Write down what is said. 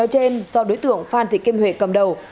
các đối tượng phan thị poet cầm đầu